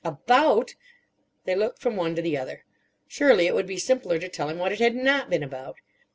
"About!" They look from one to the other. Surely it would be simpler to tell him what it had not been about.